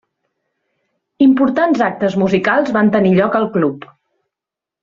Importants actes musicals van tenir lloc al club.